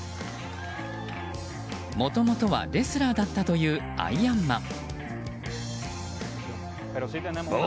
もともとはレスラーだったというアイアンマン。